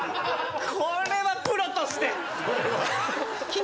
これはプロとして。